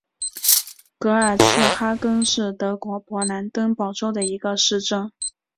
格尔茨哈根是德国勃兰登堡州的一个市镇。